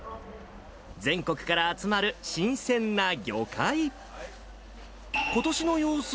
全国から集まる新鮮な魚介。